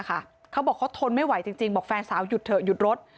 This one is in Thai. เขาบอกเขาทนไม่ไหวจริงบอกแฟนสาวหยุดเถอะหยุดรถ